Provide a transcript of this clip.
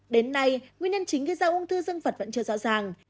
đến nay nguyên nhân chính gây ra ung thư dân vật vẫn chưa rõ ràng